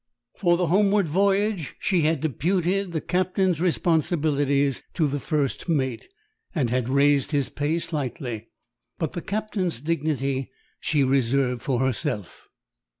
For the homeward voyage she had deputed the captain's responsibilities to the first mate, and had raised his pay slightly, but the captain's dignity she reserved for herself.